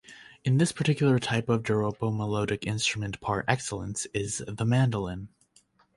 In this particular type of joropo melodic instrument par excellence is the mandolin.